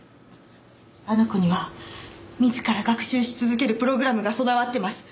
あの子には自ら学習し続けるプログラムが備わってます。